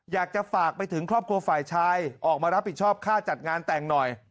อยากจะฝากไปถึงครอบครัวฝ่ายชายออกมารับผิดชอบค่าจัดงานแต่งหน่อย